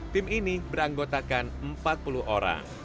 tim ini beranggotakan empat puluh orang